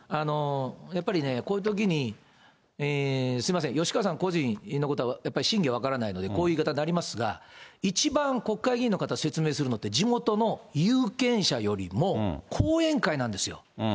やっぱりね、こういうときに、すみません、吉川さん個人のことは、やっぱり真偽は分からないのでこういう言い方になりますが、一番国会議員の方、説明するのって、地元の有権者よりも、後援会なんですよ。